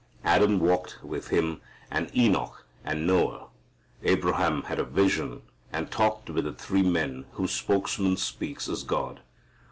Adam walked with Him, and Enoch, and Noah. Abraham had a vision, and talked with the three men whose spokesman speaks as God.